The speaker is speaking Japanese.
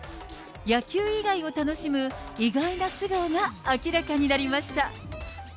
野球以外を楽しむ、意外な素顔が明らかになりました。